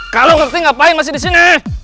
kalau ngerti ngapain masih disini